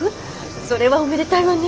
それはおめでたいわね。